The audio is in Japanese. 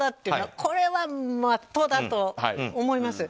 これはまっとうだと思います。